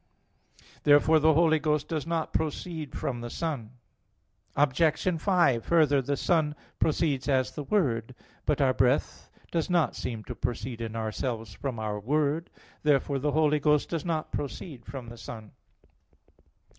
Therefore the Holy Ghost does not proceed from the Son. Obj. 5: Further, the Son proceeds as the Word. But our breath [spiritus] does not seem to proceed in ourselves from our word. Therefore the Holy Ghost does not proceed from the Son.